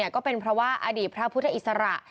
ก็เป็นเพราะว่าอดีตพระพุทธอิสระ